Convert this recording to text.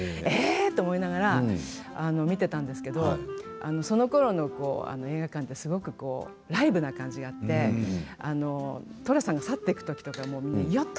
えと思いながら見てたんですけどそのころの映画館ってすごくライブな感じがあって寅さんが去っていく時とかもういよ！